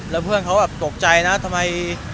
แล้วเพื่อนเขาแบบตกใจนะทำไม